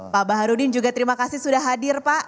pak baharudin juga terima kasih sudah hadir pak